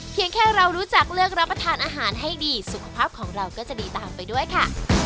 แค่เรารู้จักเลือกรับประทานอาหารให้ดีสุขภาพของเราก็จะดีตามไปด้วยค่ะ